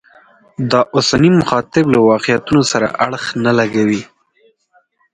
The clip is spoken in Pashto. د اوسني مخاطب له واقعیتونو سره اړخ نه لګوي.